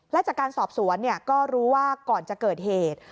และจากการสอบสวนก็รู้ว่าก่อนจะเกิดเหตุ